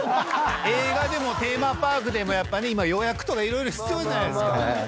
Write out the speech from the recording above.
映画でもテーマパークでも今予約とか色々必要じゃないですか。